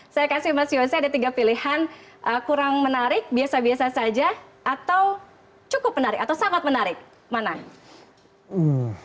saya kasih mas yose ada tiga pilihan kurang menarik biasa biasa saja atau cukup menarik atau sangat menarik mana